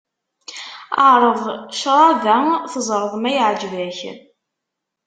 Ԑreḍ ccrab-a, teẓreḍ ma iεǧeb-ak.